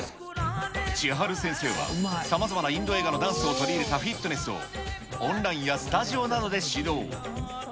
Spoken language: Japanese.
千晴先生は、さまざまなインド映画のダンスを取り入れたフィットネスを、オンラインやスタジオなどで指導。